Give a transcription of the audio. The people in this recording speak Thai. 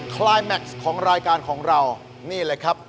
คลายแม็กซ์ของรายการของเรานี่เลยครับ